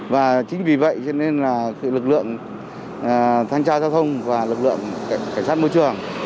và chính vì vậy cho nên là lực lượng thanh tra giao thông và lực lượng cảnh sát môi trường